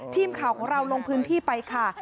ทีมข่าวของเราลงพื้นที่ไปค่ะ